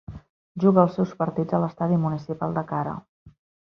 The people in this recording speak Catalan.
Juga els seus partits a l'Estadi Municipal de Kara.